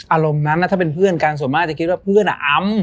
อารมณ์นั้นถ้าเป็นเพื่อนกันส่วนมากจะคิดว่าเพื่อนอ่ะอ้ำ